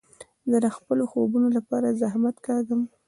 زه د خپلو خوبو له پاره زحمت کاږم.